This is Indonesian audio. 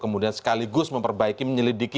kemudian sekaligus memperbaiki menyelidiki